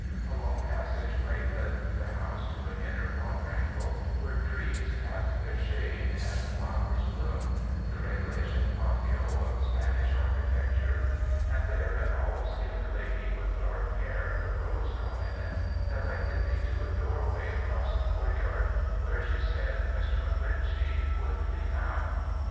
A long passageway led through the house to an inner quadrangle where trees cast their shade and flowers bloomed — the regulation patio of Spanish architecture — and there an olive skinned lady with dark hair and a rose caught in it, directed me to a doorway across the courtyard where, she said, Mr. MacClinchy would be found.